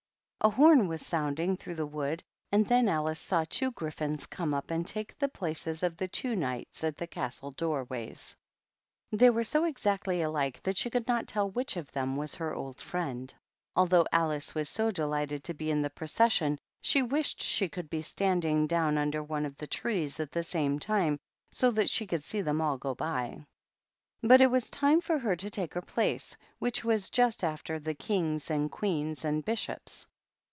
A horn was sounding through the wood, and then Alice saw two Gryphons come up and take the places of the two Knights at the castle door ways ; they were so exactly alike that she could not tell which of them was her old friend. Although Alice was so delighted to be in the procession, she wished she could be standing down under one of the trees at the same time, so that she could see them all go by. But it was time for her to take her place, which was just after the Kings and Queens and Bishops.